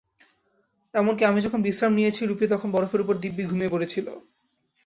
এমনকি আমি যখন বিশ্রাম নিয়েছি, রুপি তখন বরফের ওপর দিব্যি ঘুমিয়ে পড়েছিল।